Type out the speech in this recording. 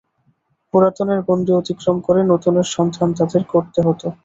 পুরাতনের গণ্ডী অতিক্রম করে নূতনের সন্ধান তাঁদের করতে হত।